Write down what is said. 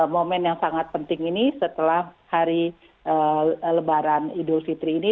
momen yang sangat penting ini setelah hari lebaran idul fitri ini